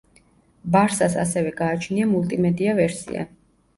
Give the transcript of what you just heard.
ბარსას ასევე გააჩნია მულტიმედია ვერსია.